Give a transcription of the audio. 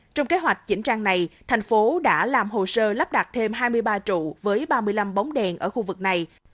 trong kế hoạch chỉnh trang này thành phố đã làm hồ sơ lắp đặt thêm hai mươi ba trụ với ba mươi năm bóng đèn ở khu vực này